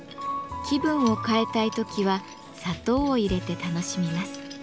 気分を変えたい時は砂糖を入れて楽しみます。